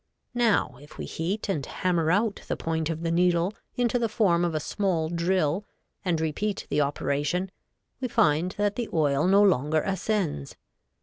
Now if we heat and hammer out the point of the needle into the form of a small drill and repeat the operation we find that the oil no longer ascends.